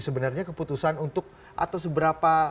sebenarnya keputusan untuk atau seberapa